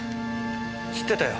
知ってたよ。